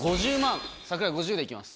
櫻井５０でいきます。